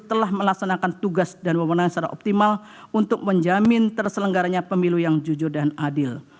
telah melaksanakan tugas dan pemenangan secara optimal untuk menjamin terselenggaranya pemilu yang jujur dan adil